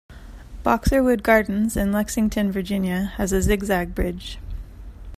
Boxerwood Gardens in Lexington, Virginia has a zig-zag bridge.